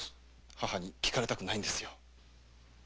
母に聞かれたくないんですよ。